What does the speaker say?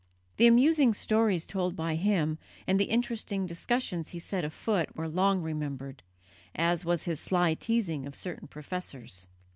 The amusing stories told by him and the interesting discussions he set afoot were long remembered, as was his sly teasing of certain professors.